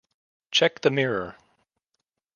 Check the mirror.